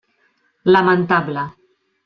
Lamentable.